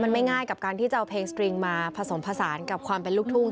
มันไม่ง่ายกับการที่จะเอาเพลงสตริงมาผสมผสานกับความเป็นลูกทุ่ง